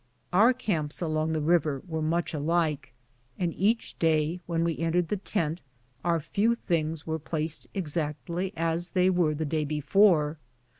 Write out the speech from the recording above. Our camps along the river were much alike, and each day when we entered the tent our few things were placed exactly as they were the day before.